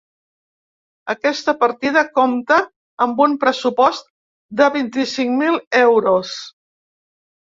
Aquesta partida compta amb un pressupost de vint-i-cinc mil euros.